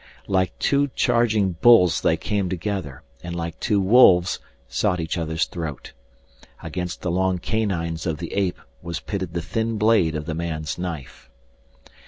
Like two charging bulls they came together, and like two wolves sought each other's throat. Against the long canines of the ape was pitted the thin blade of the man's knife.